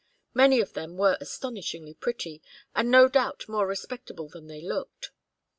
Many of them were astonishingly pretty, and no doubt more respectable than they looked.